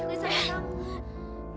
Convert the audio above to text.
aku di samping kamu